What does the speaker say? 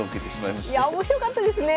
いや面白かったですね！